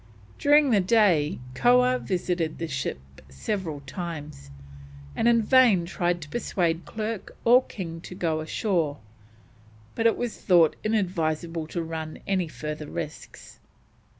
During the day Koah visited the ship several times, and in vain tried to persuade Clerke or King to go ashore, but it was thought inadvisable to run any further risks.